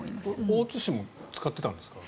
大津市も使っていたんですか？